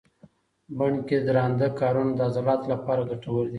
بڼ کې درانده کارونه د عضلاتو لپاره ګټور دي.